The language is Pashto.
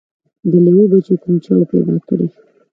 د لېوه بچی کوم چا وو پیدا کړی